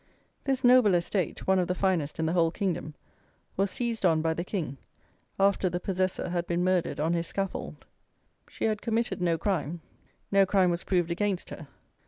This noble estate, one of the finest in the whole kingdom, was seized on by the king, after the possessor had been murdered on his scaffold. She had committed no crime. No crime was proved against her.